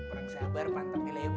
orang sabar pantas dilebar